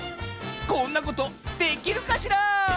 こんなことできるかしら！